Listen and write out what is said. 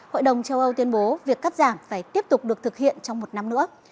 hội đồng châu âu tuyên bố việc cắt giảm phải tiếp tục được thực hiện trong một năm nữa